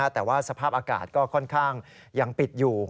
แต่ว่าสภาพอากาศก็ค่อนข้างยังปิดอยู่